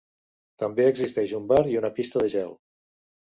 També existeix un bar i una pista de gel.